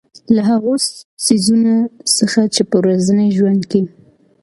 او له هـغو څـيزونه څـخـه چـې په ورځـني ژونـد کـې